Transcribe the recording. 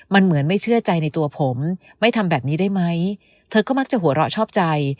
มันเหมือนไม่เชื่อใจในตัวผมไม่ทำแบบนี้ได้ไหมเธอก็มักจะหัวเราะชอบใจ